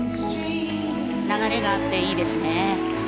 流れがあっていいですね。